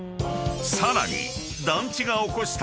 ［さらに］